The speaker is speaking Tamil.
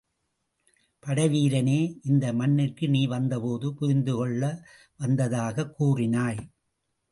படைவீரனே இந்த மண்ணிற்கு நீ வந்தபோது புரிந்துகொள்ள வந்ததாகக் கூறினாய்.